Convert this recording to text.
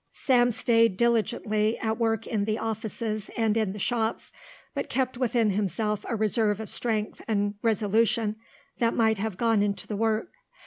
Sam stayed diligently at work in the offices and in the shops, but kept within himself a reserve of strength and resolution that might have gone into the work.